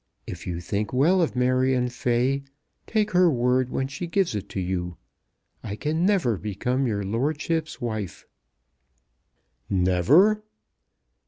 If you think well of Marion Fay, take her word when she gives it you. I can never become your lordship's wife." "Never?"